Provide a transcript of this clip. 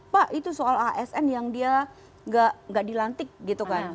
pak itu soal asn yang dia nggak dilantik gitu kan